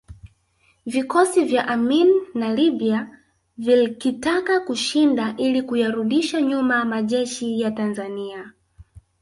Vikosi vya Amin na Libya vilkitaka kushinda ili kuyarudisha nyuma majeshi ya Tanzania